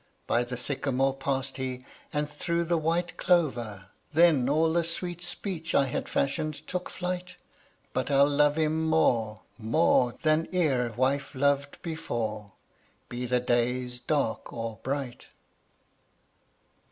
By the sycamore passed he, and through the white clover, Then all the sweet speech I had fashioned took flight: But I'll love him more, more Than e'er wife loved before, Be the days dark or bright.